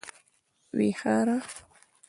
ويهاره